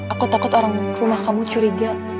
aku takut orang rumah kamu curiga